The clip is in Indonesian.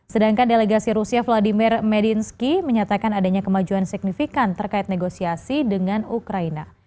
sedangkan delegasi rusia vladimir medinski menyatakan adanya kemajuan signifikan terkait negosiasi dengan ukraina